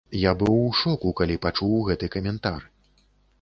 Я быў у шоку, калі пачуў гэты каментар!